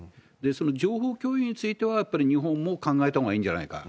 その情報共有については、やっぱり日本も考えたほうがいいんじゃないか。